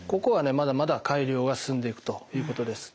まだまだ改良は進んでいくということです。